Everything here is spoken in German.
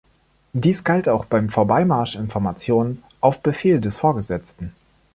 Dies galt auch beim Vorbeimarsch in Formationen auf Befehl des Vorgesetzten.